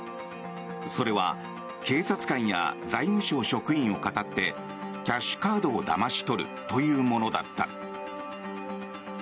それは警察官や財務省職員をかたってキャッシュカードをだまし取るというものだった。